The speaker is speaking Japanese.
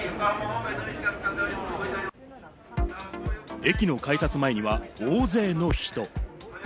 駅の改札前には大勢の人。